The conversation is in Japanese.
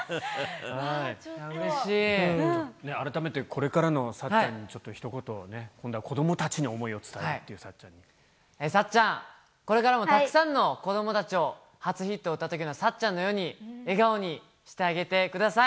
改めて、これからのさっちゃんに、ちょっとひと言ね、今度は子どもたちに想いを伝えるというさっちゃん、これからもたくさんの子どもたちを初ヒットを打ったときのさっちゃんのように笑顔にしてあげてください。